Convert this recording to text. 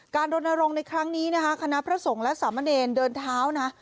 รณรงค์ในครั้งนี้นะคะคณะพระสงฆ์และสามเณรเดินเท้านะ